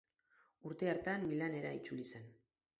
Urte hartan Milanera itzuli zen.